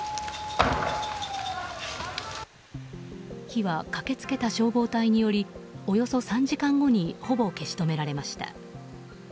火は駆けつけた消防隊によりおよそ３時間後にほぼ消し止められました。